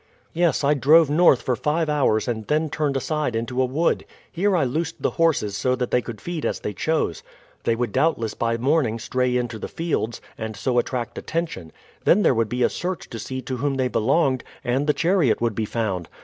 "Yes, I drove north for five hours and then turned aside into a wood. Here I loosed the horses so that they could feed as they chose. They would doubtless by morning stray into the fields, and so attract attention. Then there would be a search to see to whom they belonged, and the chariot would be found.